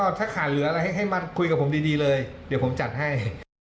เดี๋ยวผมจัดให้